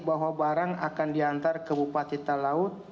bahwa barang akan diantar ke bupati talaut